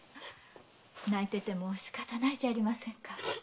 泣いてても仕方ないじゃありませんか。